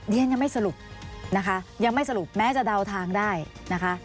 เรียนยังไม่สรุปนะคะยังไม่สรุปแม้จะเดาทางได้นะคะ